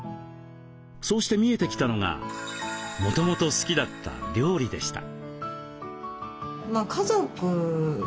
そうして見えてきたのがもともと好きだった料理でした。